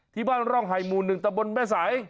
ที่บ้านร่องไฮมูนหนึ่งตะบลแม่สาย